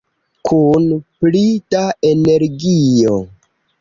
Kun pli da energio!